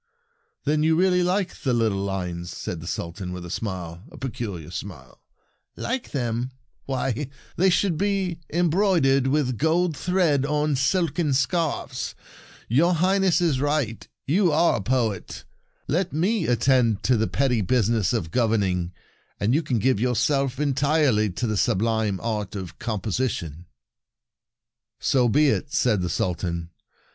" Then you really like the little lines?" asked the Sultan, with a smile— a peculiar smile. "Like them? Why, they The Sultan Smiles A True Poet 56 The SultarCs Verses Rifraf should be embroidered with Goes Out gold thread on silken scarfs ! Your Highness is right. You are a Poet. Let me attend to the petty business of govern ing, and you can give yourself entirely to the sublime art of composition." " So be it," said the Sultan.